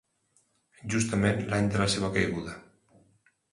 Justament l'any de la seva caiguda.